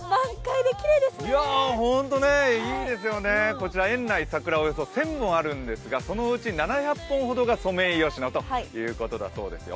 こちら園内、桜１０００本あるんですがそのうち７００本ほどがソメイヨシノということだそうですよ。